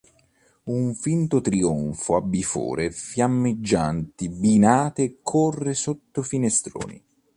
Un finto triforio a bifore fiammeggianti binate corre sotto i finestroni.